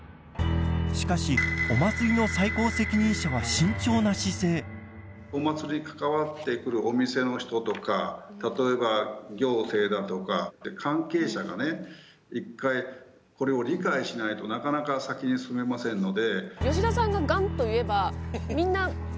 しかしお祭りの最高責任者はお祭りに関わってくるお店の人とか例えば行政だとか関係者がね１回これを理解しないとなかなか先に進めませんので。